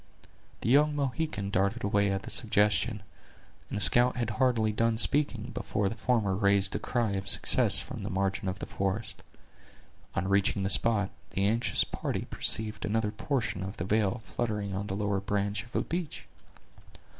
The young Mohican darted away at the suggestion, and the scout had hardly done speaking, before the former raised a cry of success from the margin of the forest. On reaching the spot, the anxious party perceived another portion of the veil fluttering on the lower branch of a beech.